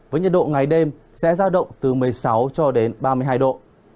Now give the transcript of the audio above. với nhiệt độ ngày đêm sẽ giao động từ một mươi sáu cho đến ba mươi hai độ